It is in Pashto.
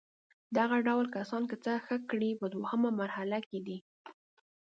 دغه ډول کسانو که څه ښه کړي په دوهمه مرحله کې دي.